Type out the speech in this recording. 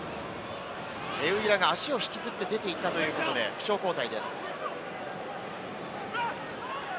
レウイラが足を引きずって出ていったということで負傷交代です。